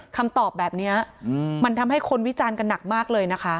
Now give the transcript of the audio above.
คำตอบแบบนี้มันทำให้คนวิจารณ์กันหนักมากเลยนะคะ